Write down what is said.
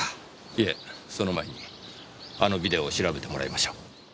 いえその前にあのビデオを調べてもらいましょう。